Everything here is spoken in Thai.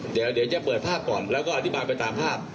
เดี๋ยวจะเปิดภาพก่อนแล้วก็อธิบายไปตามภาพ